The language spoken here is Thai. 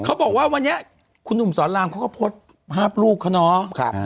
เขาบอกว่าวันนี้คุณหนุ่มสอนรามเขาก็โพสต์ภาพลูกเขาเนาะ